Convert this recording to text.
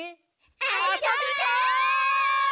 「あそびたい！」